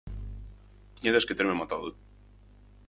Tiñades que terme matado